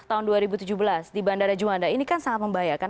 tahun dua ribu tujuh belas di bandara juanda ini kan sangat membahayakan